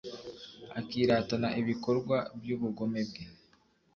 akiratana ibikorwa by'ubugome bwe